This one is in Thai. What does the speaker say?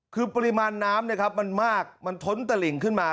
คือปริมาณน้ำมันมากมันท้นตะหลิ่งขึ้นมา